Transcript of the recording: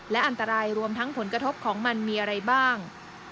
และอันตรายรวมทั้งผลกระทบของมันมีอะไรบ้าง